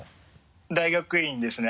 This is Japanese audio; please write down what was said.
大学院ですね